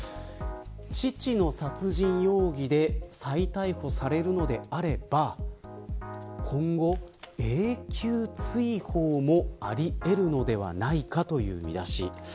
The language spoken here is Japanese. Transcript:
父の殺人容疑で再逮捕されるのであれば今後、永久追放もあり得るのではないかという見出しです。